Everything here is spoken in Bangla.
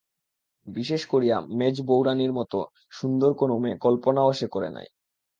বিশেষ করিয়া মেজ বৌ-রানীর মতো সুন্দর কোনো মেয়ে কল্পনাও সে করে নাই।